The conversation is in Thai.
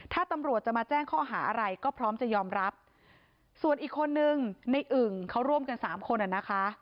ถ้าตำรวจจะมาแจ้งข้อหาอะไรก็พร้อมจะยอมรับส่วนอีกคนนึงในอึ่งเขาร่วมกันสามคนอ่ะนะคะ